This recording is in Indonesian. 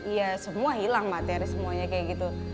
iya semua hilang materi semuanya kayak gitu